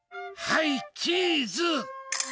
はい、チーズ！